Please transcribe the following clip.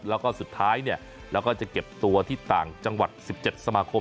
แล้วก็สุดท้ายเนี่ยเราก็จะเก็บตัวที่ต่างจังหวัด๑๗สมาคม